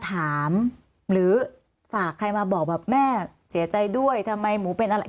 ถามหรือฝากใครมาบอกแบบแม่เสียใจด้วยทำไมหมูเป็นอะไร